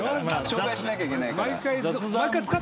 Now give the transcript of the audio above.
紹介しなきゃいけないから。